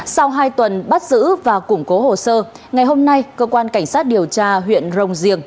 sau hai tuần bắt giữ và củng cố hồ sơ ngày hôm nay cơ quan cảnh sát điều tra huyện rồng giềng